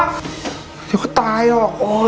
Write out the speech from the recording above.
เดี๋ยวก็ตายอ่ะ